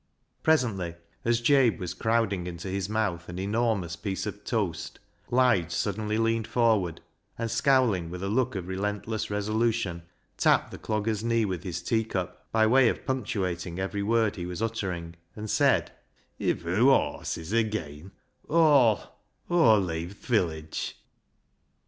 Presently, as Jabe was crowding into his mouth an enormous piece of toast, Lige suddenly leaned forward, and scowling with a look of relentless resolution, tapped the dogger's knee with his teacup by way of punctuating every word he was uttering, and said —" If hoo awses [offers] ageean, Aw'll — Aw'll leeave th' village."